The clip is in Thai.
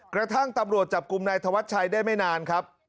กระทั่งตำรวจจับกลุ่มนายธวัชชัยได้ไม่นานครับ